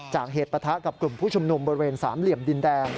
เหตุปะทะกับกลุ่มผู้ชุมนุมบริเวณสามเหลี่ยมดินแดง